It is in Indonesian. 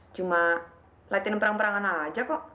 cuma latin perang perangan saja kok